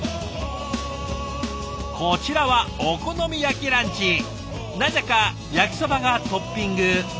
こちらはなぜか焼きそばがトッピング。